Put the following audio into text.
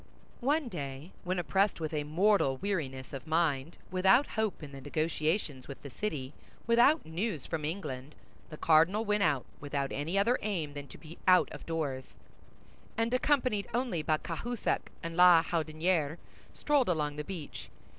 One day when oppressed with a mortal weariness of mind, without hope in the negotiations with the city, without news from England, the cardinal went out, without any other aim than to be out of doors, and accompanied only by Cahusac and La Houdinière, strolled along the beach.